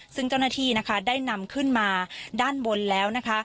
ซึ่งเจ้าหน้าที่นะคะได้นำขึ้นมาด้านบนแล้วนะคะ